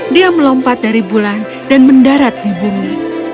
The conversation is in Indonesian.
dia melompat dari bulan dan mendarat di bumi